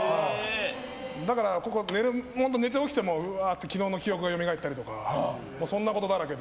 だから本当、寝て起きてもうわあって昨日の記憶がよみがえったりとかそんなことだらけで。